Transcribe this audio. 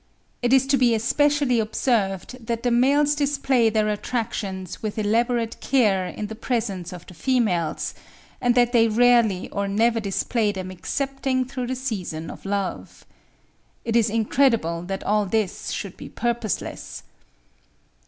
It is to be especially observed that the males display their attractions with elaborate care in the presence of the females; and that they rarely or never display them excepting during the season of love. It is incredible that all this should be purposeless.